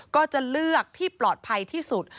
ก็จะเลือกที่ปลอดภัยที่สุด